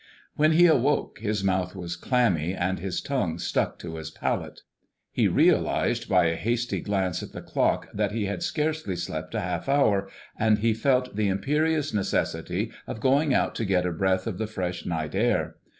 When he awoke his mouth was clammy, and his tongue stuck to his palate. He realized by a hasty glance at the clock that he had scarcely slept a half hour, and he felt the imperious necessity of going out to get a breath of the fresh night air.